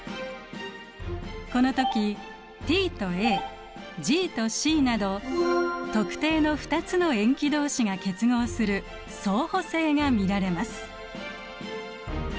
この時「Ｔ」と「Ａ」「Ｇ」と「Ｃ」など特定の２つの塩基どうしが結合する「相補性」が見られます。